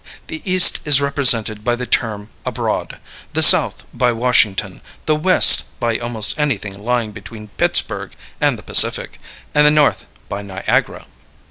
The East is represented by the term "abroad," the South by Washington, the West by almost anything lying between Pittsburgh and the Pacific, and the North by Niagara.